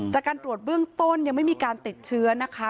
จากการตรวจเบื้องต้นยังไม่มีการติดเชื้อนะคะ